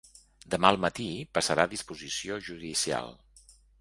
Demà al matí passarà a disposició judicial.